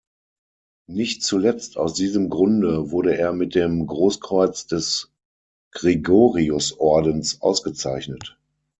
Nicht zuletzt aus diesem Grunde wurde er mit dem Großkreuz des Gregoriusordens ausgezeichnet.